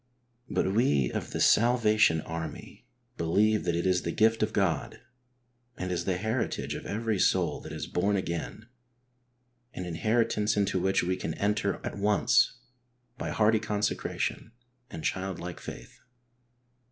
But we of iTe Salvation Army believe that it is the gift of God, and is the heritage of every soul that is born again, an inheritance into which we can enter at once by hearty consecration and childlike faith.